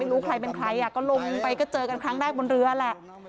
รู้ใครเป็นใครก็ลงไปก็เจอกันครั้งแรกบนเรือแหละ